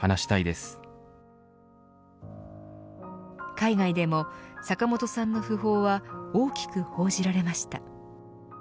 海外でも坂本さんの訃報は大きく報じられました。